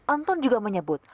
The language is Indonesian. anton juga menyebut